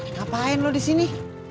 ngapain lo disini